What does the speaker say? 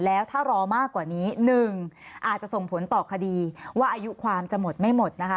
แล้วถ้ารอมากกว่านี้๑อาจจะส่งผลต่อคดีว่าอายุความจะหมดไม่หมดนะคะ